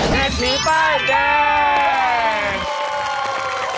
เฮดมีป้าแดง